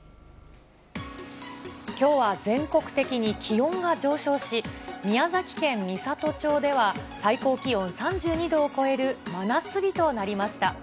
きょうは全国的に気温が上昇し、宮崎県美郷町では最高気温３２度を超える真夏日となりました。